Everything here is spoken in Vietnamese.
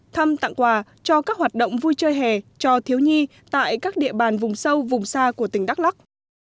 thăm tặng quà cho các hoạt động vui chơi hè cho thiếu nhi tại các địa bàn vùng sâu vùng xa của tỉnh đắk lắc